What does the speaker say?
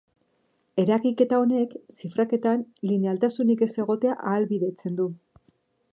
Eragiketa honek zifraketan linealtasunik ez egotea ahalbidetzen du.